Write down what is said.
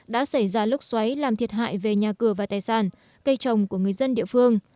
đã xảy ra lốc xoáy làm thiệt hại về nhà cửa và tài sản cây trồng của người dân địa phương